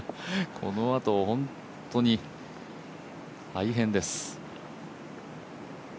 このあと本当に、大変です。